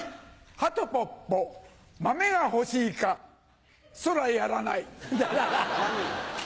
はとぽっぽ豆が欲しいかそらやらない。